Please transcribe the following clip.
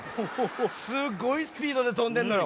すごいスピードでとんでんのよ。